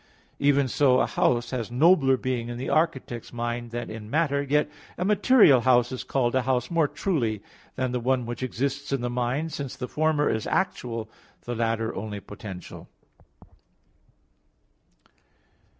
Even so a house has nobler being in the architect's mind than in matter; yet a material house is called a house more truly than the one which exists in the mind; since the former is actual, the latter only potential.